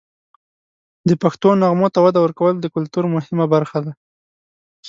د پښتو نغمو ته وده ورکول د کلتور مهمه برخه ده.